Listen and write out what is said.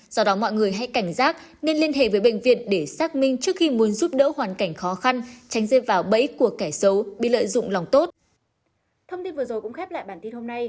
do đó mọi người hãy cảnh giác nên liên hệ với bệnh viện để xác minh trước khi muốn giúp đỡ hoàn cảnh khó khăn tránh rơi vào bẫy của kẻ xấu bị lợi dụng lòng tốt